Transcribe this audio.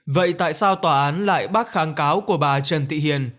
vậy tại sao tòa án lại bác kháng cáo của bà trần thị hiền